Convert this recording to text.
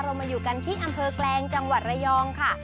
เรามาอยู่กันที่อำเภอแกลงจังหวัดระยองค่ะ